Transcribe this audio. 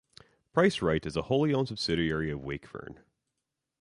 PriceRite is a wholly owned subsidiary of Wakefern.